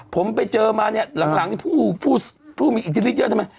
ผมไปเจอมาเนี่ยหลังพูดมีอิทธิฤติเยอะนะ